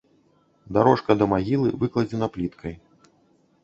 Дарожка да магілы выкладзена пліткай.